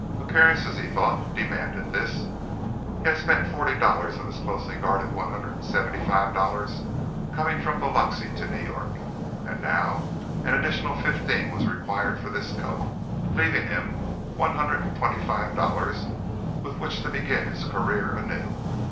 Appearances, he thought, demanded this. He had spent forty of his closely guarded one hundred and seventy five dollars coming from Biloxi to New York, and now an additional fifteen was required for this coat, leaving him one hundred and twenty five dollars with which to begin his career anew.